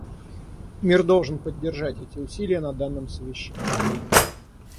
Мир должен поддержать эти усилия на данном совещании.